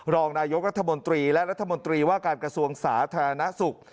รองนายกรัฐมนตรีและรัฐมนตรีว่าการกระทรวงสาธารณสุข